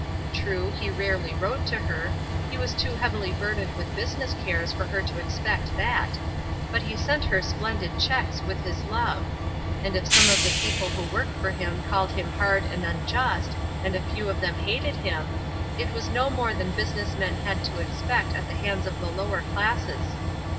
True, he rarely wrote to her, he was too heavily burdened with business cares for her to expect that, but he sent her splendid checks, with his love; and if some of the people who worked for him called him hard and unjust, and a few of them hated him, it 156 ESTER RIED'S NAMESAKE was no more than business men had to expect at the hands of the lower classes.